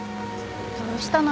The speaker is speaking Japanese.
どうしたの？